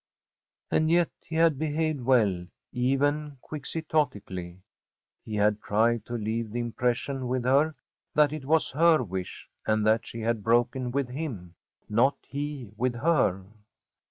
And yet he had behaved well, even quixotically. He had tried to leave the impression with her that it was her wish, and that she had broken with him, not he with her.